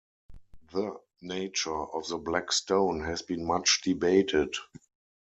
The nature of the Black Stone has been much debated.